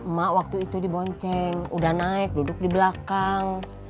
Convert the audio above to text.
mak waktu itu di bonceng udah naik duduk di belakang